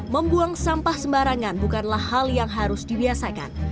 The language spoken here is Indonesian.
membuang sampah sembarangan bukanlah hal yang harus dibiasakan